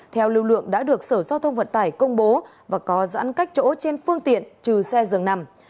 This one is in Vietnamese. theo lưu lượng đã được sở giao thông vận tải công bố và có giãn cách chỗ trên phương tiện trừ xe dường nằm